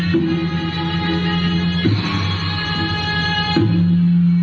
สุดท้ายสุดท้ายสุดท้าย